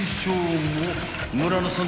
［村野さん